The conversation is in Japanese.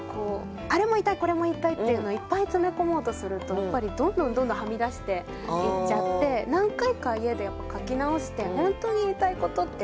「これも言いたい」っていうのをいっぱい詰め込もうとするとやっぱりどんどんどんどんはみ出していっちゃって何回か家で書き直して「本当に言いたいことって何だろう？」